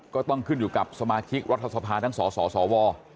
ก็ต้องขึ้นอยู่กับสมาชิกรัฐสภาทั้งสสว